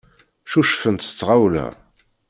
Ccucfent s tɣawla.